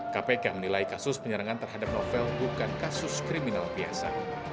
kpk menilai kasus penyerangan terhadap novel bukan kasus kriminal biasa